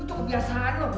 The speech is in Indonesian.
kalian kebiasaan kebiasa kan